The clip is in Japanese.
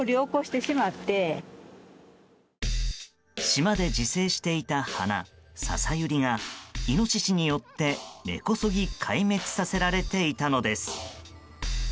島で自生していた花ササユリがイノシシによって、根こそぎ壊滅させられていたのです。